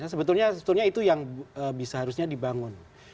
sebetulnya itu yang bisa harusnya dibangun